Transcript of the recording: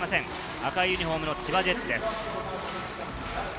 赤いユニホームの千葉ジェッツです。